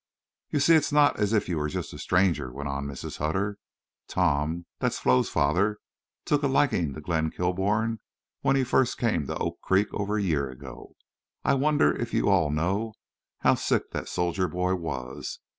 "You see it's not as if you were just a stranger," went on Mrs. Hutter. "Tom—that's Flo's father—took a likin' to Glenn Kilbourne when he first came to Oak Creek over a year ago. I wonder if you all know how sick that soldier boy was....